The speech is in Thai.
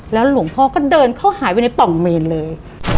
หลวงพ่อก็เดินเข้าหายไปในป่องเมนเลย